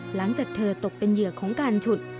หลังจากเธอตกด้วย